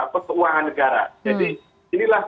pengeuangan negara jadi inilah